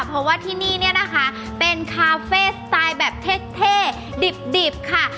เพราะว่าที่นี่เนี่ยนะคะเป็นคาเฟ่สไตล์แบบเท่ดิบค่ะ